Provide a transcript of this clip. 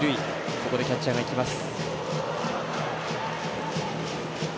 ここでキャッチャーが行きます。